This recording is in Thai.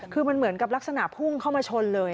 คือมันเหมือนกับลักษณะพุ่งเข้ามาชนเลย